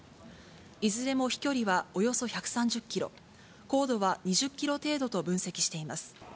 いずれも飛距離はおよそ１３０キロ、高度は２０キロ程度と分析しています。